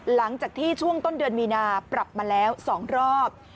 หลังจากที่ช่วงต้นเดือนมีนาปรับมาแล้ว๒รอบ